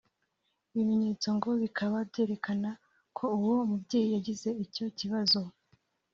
Ibimenyetso ngo bikaba byarerekanaga ko uwo mubyeyi yagize icyo kibazo